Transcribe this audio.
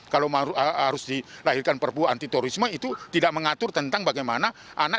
kalau harus dilahirkan perpu anti terorisme itu tidak mengatur tentang bagaimana anak